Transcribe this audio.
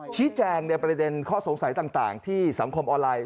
ชี้แจงในประเด็นข้อสงสัยต่างที่สังคมออนไลน์